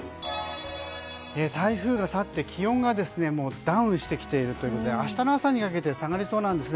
台風が去って気温がダウンしてきているということで明日の朝にかけて下がりそうなんです。